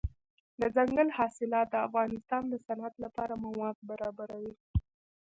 دځنګل حاصلات د افغانستان د صنعت لپاره مواد برابروي.